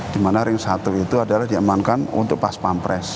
di mana ring satu itu adalah diemankan untuk pas pam pres